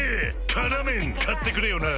「辛麺」買ってくれよな！